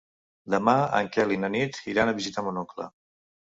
Demà en Quel i na Nit iran a visitar mon oncle.